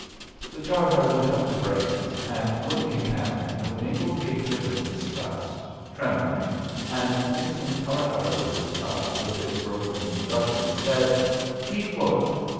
The Tartar went up to Brains, and, looking at him with mingled hatred and disgust, trembling, and mixing Tartar words up with his broken Russian, said: "He good